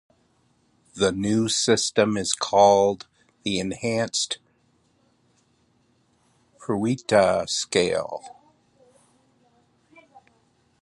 The new system is called the Enhanced Fujita scale.